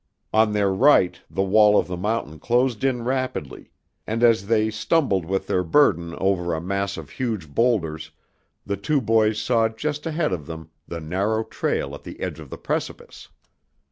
On their right the wall of the mountain closed in rapidly, and as they stumbled with their burden over a mass of huge boulders the two boys saw just ahead of them the narrow trail at the edge of the precipice.